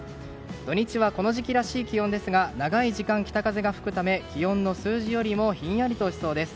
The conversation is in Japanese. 土日はこの時期らしい気温ですが長い時間、北風が吹くため気温の数字よりもひんやりしそうです。